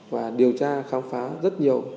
và điều tra khám phá rất nhiều